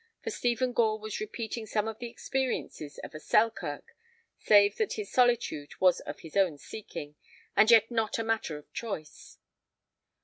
For Stephen Gore was repeating some of the experiences of a Selkirk, save that his solitude was of his own seeking, and yet not a matter of choice.